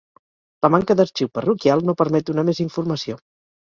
La manca d'arxiu parroquial no permet donar més informació.